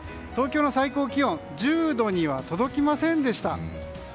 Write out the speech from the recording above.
東京の最高気温１０度には届きませんでした。